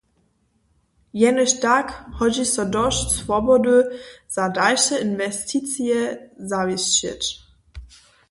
Jenož tak hodźi so dosć swobody za dalše inwesticije zawěsćeć.